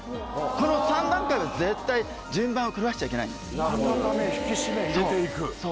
この３段階は絶対順番を狂わしちゃいけないんです温め引き締め入れていくそうそう